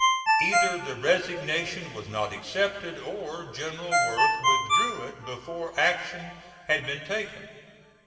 Either the resignation was not accepted, or General Worth withdrew it before action had been taken.